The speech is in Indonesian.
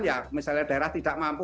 ya misalnya daerah tidak mampu